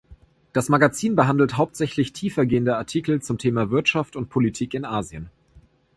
Das Magazin behandelt hauptsächlich tiefer gehende Artikel zum Thema Wirtschaft und Politik in Asien.